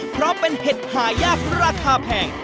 เพราะเป็นเห็ดหายากราคาแพง